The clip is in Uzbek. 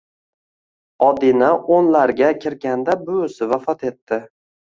Odina o`nlarga kirganda buvisi vafot etdi